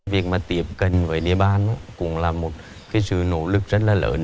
việc mà tiếp cận với địa bàn cũng là một cái sự nỗ lực rất là lớn